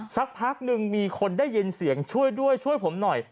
สักพักหนึ่งมีคนได้ยินเสียงช่วยด้วยช่วยผมหน่อย